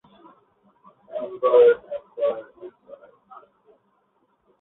Ember, ember, ember.